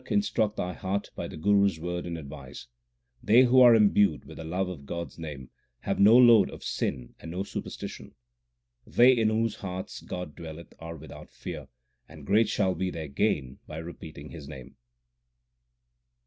HYMNS OF GURU NANAK 265 Nanak, instruct thy heart by the Guru s word and advice. They who are imbued with the love of God s name have no load of sin and no superstition. They in whose hearts God dwelleth are without fear, and great shall be their gain by repeating His name.